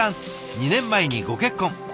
２年前にご結婚。